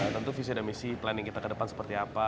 tentu visi dan misi planning kita ke depan seperti apa